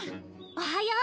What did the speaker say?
おはよう。